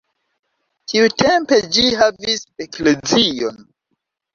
Tiutempe ĝi havis eklezion.